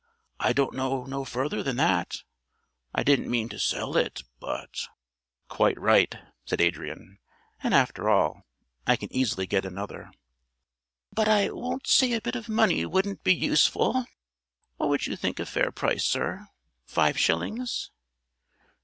I don't know no further than that. I didn't mean to sell it, but " "Quite right," said Adrian, "and after all, I can easily get another." "But I won't say a bit of money wouldn't be useful. What would you think a fair price, Sir? Five shillings?"